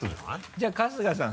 じゃあ春日さん